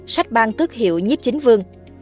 sách ban tức hiệu nhíp chính vương